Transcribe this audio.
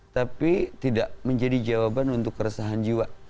tapi tidak menjadi jawaban untuk keresahan jiwa